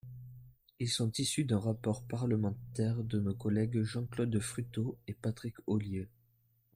Ils sont issus d’un rapport parlementaire de nos collègues Jean-Claude Fruteau et Patrick Ollier.